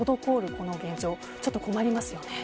この現状ちょっと困りますよね。